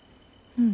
うん。